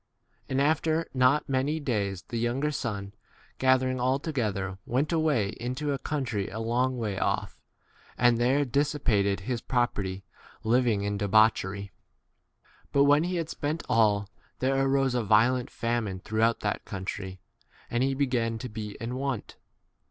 1 And after not many days the younger son gathering all together went away into a country a long way off, and there dissipated his property, living in 14 debauchery. But when he had spent all, there arose a violent famine throughout that country, 15 and he began to be in want.